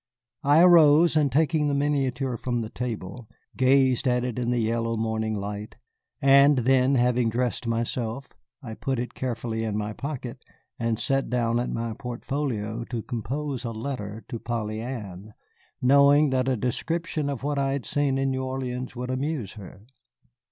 I arose, and taking the miniature from the table, gazed at it in the yellow morning light; and then, having dressed myself, I put it carefully in my pocket and sat down at my portfolio to compose a letter to Polly Ann, knowing that a description of what I had seen in New Orleans would amuse her.